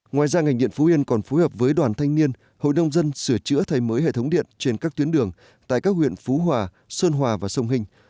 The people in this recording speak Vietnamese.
ngoài ra ngành điện phú yên còn phối hợp với đoàn thanh niên hội nông dân sửa chữa thay mới hệ thống điện trên các tuyến đường tại các huyện phú hòa sơn hòa và sông hình